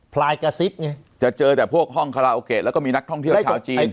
ลายกระซิบไงจะเจอแต่พวกห้องคาราโอเกะแล้วก็มีนักท่องเที่ยวชาวจีน